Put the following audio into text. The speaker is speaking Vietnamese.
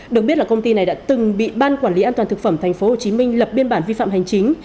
được biết là công ty này đã từng bị ban quản lý an toàn thực phẩm tp hcm lập biên bản vi phạm hành chính